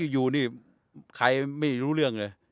อยู่นี่ใครไม่รู้เรื่องเลย